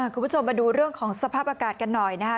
คุณผู้ชมมาดูเรื่องของสภาพอากาศกันหน่อยนะคะ